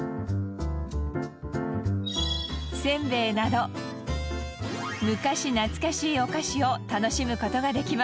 せんべいなど昔懐かしいお菓子を楽しむ事ができます。